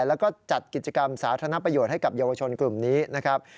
แล้วก็จัดกิจกรรมสาธารณประโยชน์ให้กับเยาวชนกลุ่มนี้นะครับ